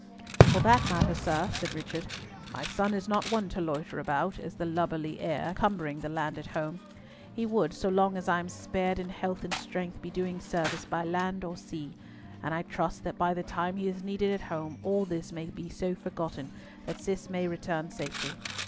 "For that matter, sir," said Richard, "my son is not one to loiter about, as the lubberly heir, cumbering the land at home. He would, so long as I am spared in health and strength, be doing service by land or sea, and I trust that by the time he is needed at home, all this may be so forgotten that Cis may return safely.